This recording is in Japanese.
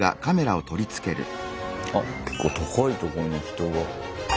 あっ結構高いとこに人が。